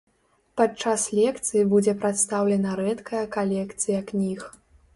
Падчас лекцыі будзе прадстаўлена рэдкая калекцыя кніг.